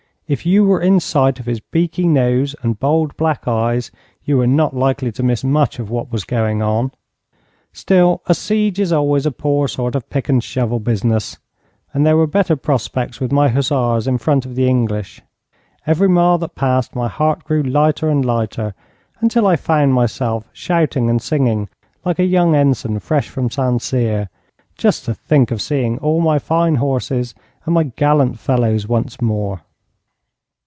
If you were in sight of his beaky nose and bold, black eyes, you were not likely to miss much of what was going on. Still, a siege is always a poor sort of a pick and shovel business, and there were better prospects with my hussars in front of the English. Every mile that passed, my heart grew lighter and lighter, until I found myself shouting and singing like a young ensign fresh from St Cyr, just to think of seeing all my fine horses and my gallant fellows once more.